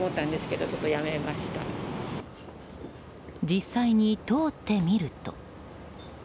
実際に通ってみると。